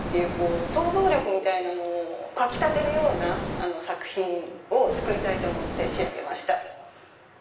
想像力みたいなものをかき立てるような作品を作りたいと思って仕上げました。